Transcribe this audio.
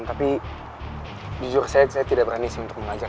tapi jujur saya tidak berani untuk mengajar